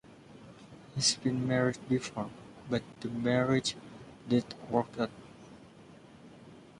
He's been married before, but the marriage didn't work out.